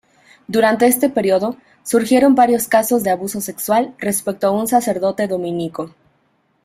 Durante este período, surgieron varios casos de abuso sexual respecto a un sacerdote dominico.